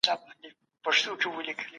احمد غوښهمېشه چي په دغه کوټې کي بېدېدی.